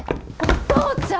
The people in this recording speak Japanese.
お父ちゃん！